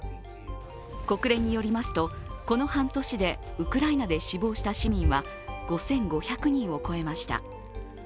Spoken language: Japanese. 国連によりますと、この半年でウクライナで死亡した市民は５５００人を超えました。